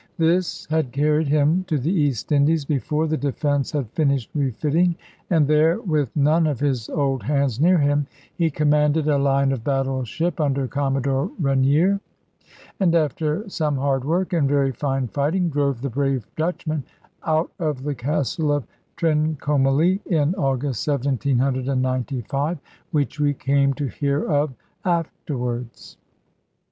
This had carried him to the East Indies, before the Defence had finished refitting; and there, with none of his old hands near him, he commanded a line of battle ship, under Commodore Rainier; and after some hard work, and very fine fighting, drove the brave Dutchmen out of the castle of Trincomalee, in August 1795, which we came to hear of afterwards.